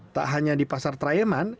tak hanya di pasar trayeman